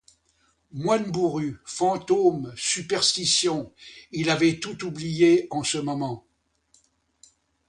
Moine bourru, fantôme, superstitions, il avait tout oublié en ce moment.